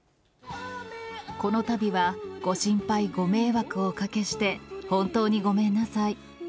このたびはご心配、ご迷惑をおかけして、本当にごめんなさい。